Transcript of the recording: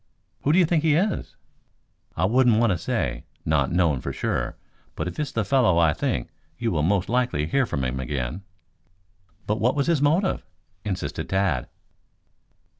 "Who do you think he is?" "I wouldn't want to say, not knowing for sure. But if it's the fellow I think, you will most likely hear from him again." "But what was his motive?" insisted Tad.